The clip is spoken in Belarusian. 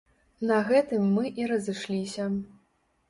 На гэтым мы і разышліся.